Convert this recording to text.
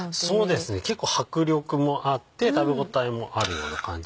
そうですね結構迫力もあって食べ応えもあるような感じに。